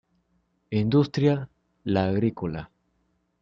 Industria: la agrícola.